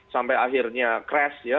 sampai akhirnya crash ya